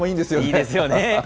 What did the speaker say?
いいですよね。